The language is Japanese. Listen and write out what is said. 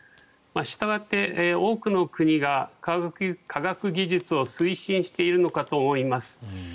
したがって多くの国が科学技術を推進しているのかと思います。